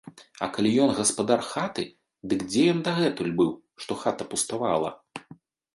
А калі ён гаспадар хаты, дык дзе ён дагэтуль быў, што хата пуставала.